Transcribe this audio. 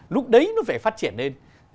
lúc đấy nó phải phát triển lên